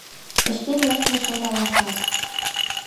Кычкен лекме шем алашат -